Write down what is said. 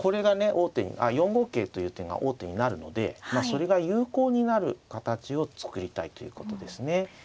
王手に４五桂という手が王手になるのでそれが有効になる形を作りたいということですね。